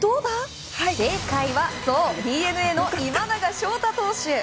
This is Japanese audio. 正解はそう、ＤｅＮＡの今永昇太投手！